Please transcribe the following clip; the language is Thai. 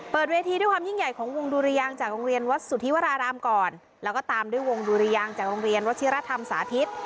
เวทีด้วยความยิ่งใหญ่ของวงดุรยางจากโรงเรียนวัดสุธิวรารามก่อนแล้วก็ตามด้วยวงดุรยางจากโรงเรียนวัชิรธรรมสาธิต